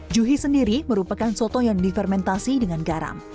juhi sendiri merupakan soto yang difermentasi dengan garam